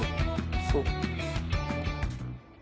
そう。